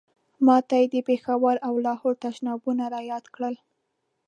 ما ته یې د پېښور او لاهور تشنابونه را یاد کړل.